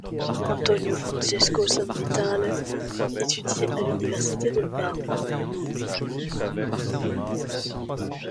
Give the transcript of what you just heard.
Antonio Francesco Sanvitale étudie à l'université de Parme.